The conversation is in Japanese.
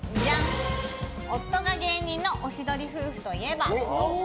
夫が芸人のおしどり夫婦といえば？